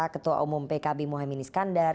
ketua umum pkb mohamini skandar